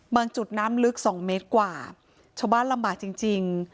บางจุดน้ำลึก๒เมตรกว่าชาวบ้านลำบากจริง